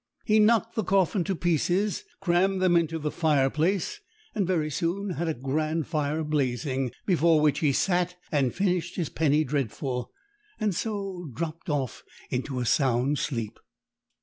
He knocked the coffin to pieces, crammed them into the fireplace, and very soon had a grand fire blazing, before which he sat and finished his penny dreadful, and so dropped off into a sound sleep.